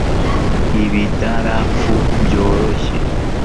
ibidarafu byoroshye